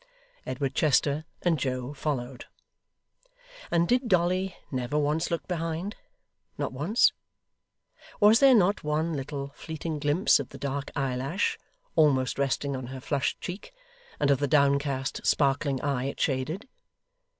Edward Chester and Joe followed. And did Dolly never once look behind not once? Was there not one little fleeting glimpse of the dark eyelash, almost resting on her flushed cheek, and of the downcast sparkling eye it shaded?